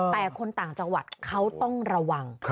แต่คนต่างจังหวัดเขาต้องระวัง